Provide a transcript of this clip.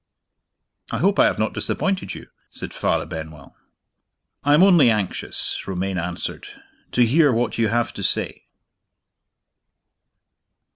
"I hope I have not disappointed you?" said Father Benwell. "I am only anxious," Romayne answered, "to hear what you have to say."